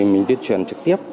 mình tuyên truyền trực tiếp